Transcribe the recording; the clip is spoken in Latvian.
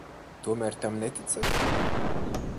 Tomēr tam neticat?